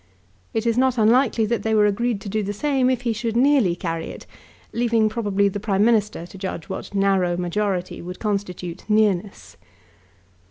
It is not unlikely that they were agreed to do the same if he should nearly carry it, leaving probably the Prime Minister to judge what narrow majority would constitute nearness.